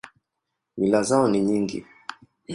Mila zao ni nyingi.